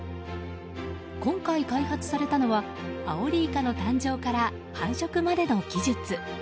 今回開発されたのはアオリイカ誕生から繁殖までの技術。